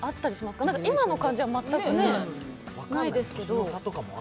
今の感じは全くね、ないですけど。